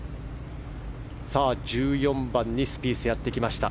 １４番にスピース、やって来ました。